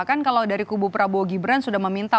kan kalau dari kubu prabowo gibran sudah meminta